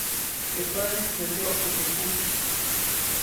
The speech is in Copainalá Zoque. Teʼ päʼnis nä wyoʼsu teʼ kuy.